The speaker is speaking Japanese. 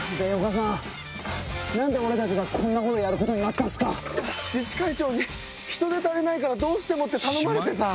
何で俺たちがこんなことやることになったんすか⁉自治会長に人手足りないからどうしてもって頼まれてさ。